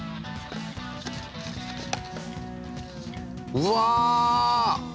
うわ。